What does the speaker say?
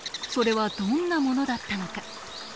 それはどんなものだったのか。